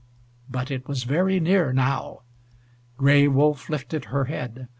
But it was very near now. Gray Wolf lifted her head.